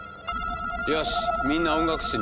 よしみんな音楽室に。